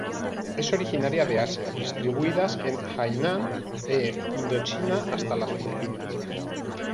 Es originaria de Asia distribuidas en Hainan e Indochina hasta las Filipinas.